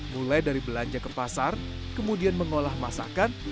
mulai dari belanja ke pasar kemudian mengolah masakan